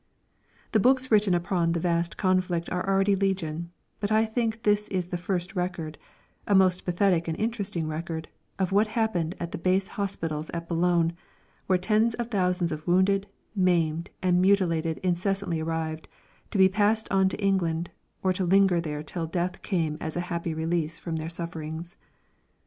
The books written upon the vast conflict are already legion, but I think this is the first record a most pathetic and interesting record of what happened at the base hospitals at Boulogne, where tens of thousands of wounded, maimed and mutilated incessantly arrived, to be passed on to England, or to linger there till death came as a happy release from their sufferings.